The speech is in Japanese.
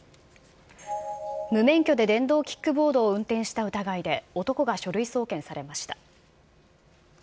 無免許で電動キックボードを運転した疑いで、男が書類送検されました。